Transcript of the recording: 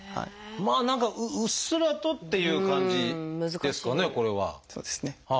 まあ何かうっすらとっていう感じですかねこれは。